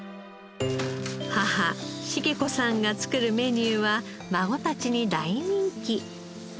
母茂子さんが作るメニューは孫たちに大人気。